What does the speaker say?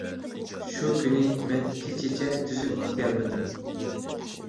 شۇ كۈنى مەن كېچىچە تۈزۈك ئۇخلىيالمىدىم.